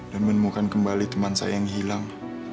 dan menemukan kembali teman saya yang hilang